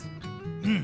うん。